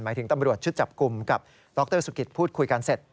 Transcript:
ถึงตำรวจชุดจับกลุ่มกับดรสุกิตพูดคุยกันเสร็จ